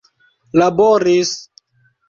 laboris